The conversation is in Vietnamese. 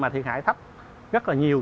thiệt hại thấp rất nhiều